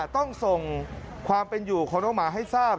ต้องส่งความเป็นอยู่ของน้องหมาให้ทราบ